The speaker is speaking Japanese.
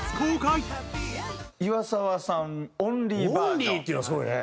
オンリーっていうのがすごいね。